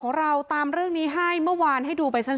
เราตามเรื่องนี้ให้เมื่อวานให้ดูไปซะ